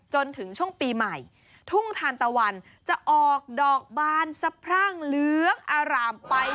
จนถึงช่วงปีใหม่ทุ่งทานตะวันจะออกดอกบานสะพรั่งเหลืองอารามไป